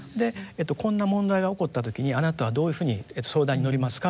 こんな問題が起こった時にあなたはどういうふうに相談に乗りますか？